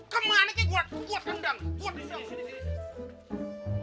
kemana ke gue tendang